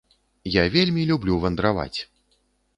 Я вельмі люблю вандраваць!